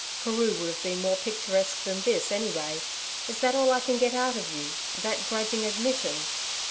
'Peru would have been more picturesque than this, anyway. Is that all I can get out of you that grudging admission?